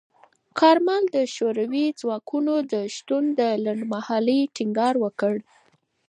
کارمل د شوروي ځواکونو د شتون د لنډمهالۍ ټینګار وکړ.